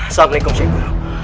assalamualaikum sheikh buruh